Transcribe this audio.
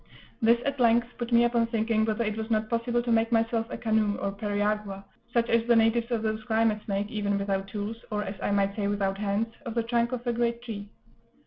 This at length put me upon thinking whether it was not possible to make myself a canoe, or periagua, such as the natives of those climates make, even without tools, or, as I might say, without hands, of the trunk of a great tree.